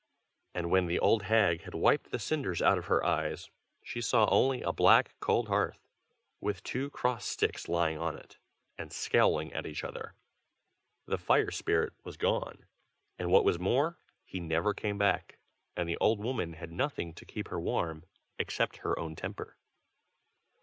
And when the old hag had wiped the cinders out of her eyes, she saw only a black cold hearth, with two cross sticks lying on it, and scowling at each other. The fire spirit was gone; and what was more, he never came back, and the old woman had nothing to keep her warm, except her own temper.